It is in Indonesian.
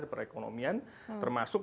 di perekonomian termasuk